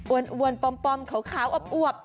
วนปอมขาวอวบ